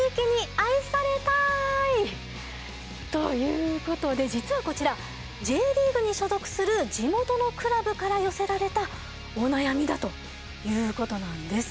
ということで実はこちらＪリーグに所属する地元のクラブから寄せられたお悩みだということなんです。